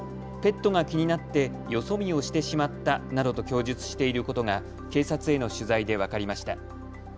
ペットが気になってよそ見をしてしまったなどと供述していることが警察への取材で分かりました。